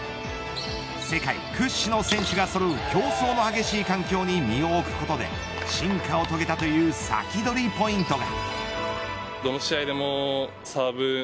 世界屈指の選手がそろう競争の激しい環境に身を置くことで進化を遂げたというサキドリポイントが。